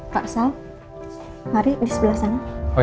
pak salari sebelah sana